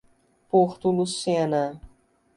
Porto Lucena